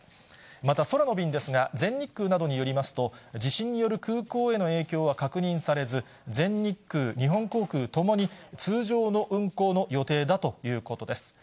また、空の便ですが、全日空などによりますと、地震による空港への影響は確認されず、全日空、日本航空ともに通常の運航の予定だということです。